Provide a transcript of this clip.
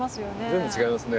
全部違いますね。